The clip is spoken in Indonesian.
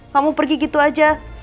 kamu pergi gitu aja